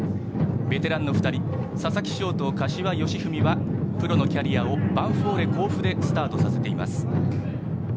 ベテランの２人佐々木翔と柏好文はプロのキャリアをヴァンフォーレ甲府でスタートさせています。